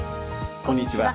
こんにちは。